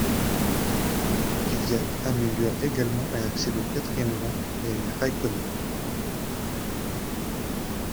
Kvyat améliore également et accède au quatrième rang, derrière Räikkönen.